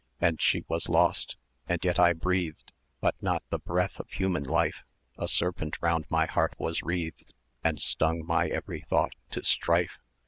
[em] "And she was lost and yet I breathed, But not the breath of human life: A serpent round my heart was wreathed, And stung my every thought to strife.